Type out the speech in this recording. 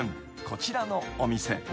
［こちらのお店］